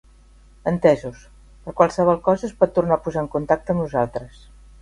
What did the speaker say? Entesos, per qualsevol cosa es pot tornar a posar en contacte amb nosaltres.